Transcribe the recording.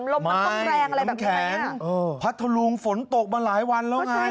มันต้องแรงอะไรแบบนี้แข็งเออพัดทะลุงฝนตกมาหลายวันแล้วไง